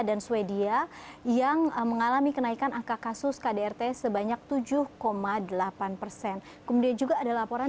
dan swedia yang mengalami kenaikan angka kasus kdrt sebanyak tujuh delapan persen kemudian juga ada laporan